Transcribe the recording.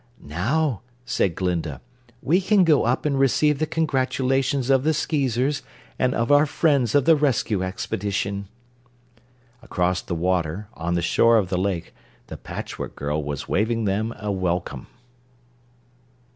"Now," said Glinda, "we can go up and receive the congratulations of the Skeezers and of our friends of the Rescue Expedition." Across the water, on the shore of the lake, the Patchwork Girl was waving them a welcome.